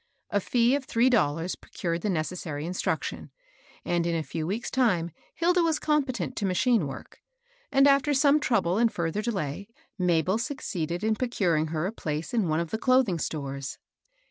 A fee of three dollars procured the necessary instruction, and, in a few weeks' time Hilda was competent to machine work ; and after some trou ble and further delay, Mabel succeeded in procur ing her a place in one of the clothing stores.